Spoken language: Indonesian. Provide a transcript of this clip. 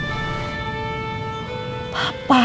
ditambah adin di penjara atas kejahatan